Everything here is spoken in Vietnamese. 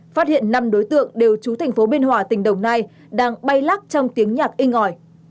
phát hiện năm đối tượng đều trú thành phố biên hòa tỉnh đồng nai đang bay lắc trong tiếng nhạc in ngỏi